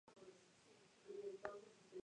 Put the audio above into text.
De Regreso solo carga pasajeros hasta Av.